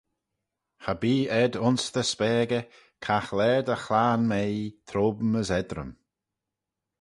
Cha bee ayd ayns dty spagey, caghlaa dy chlaghyn-meih, trome as eddrym.